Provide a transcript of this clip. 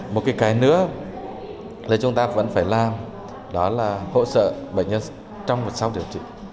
một cái nữa là chúng ta vẫn phải làm đó là hỗ trợ bệnh nhân trong và sau điều trị